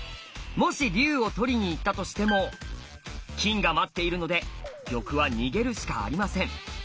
もし龍を取りにいったとしても金が待っているので玉は逃げるしかありません。